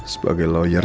saya adalah pembayar